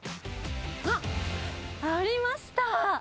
あっ、ありました。